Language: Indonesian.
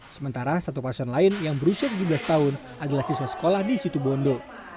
sementara satu pasien lain yang berusia tujuh belas tahun adalah siswa sekolah di situ bondo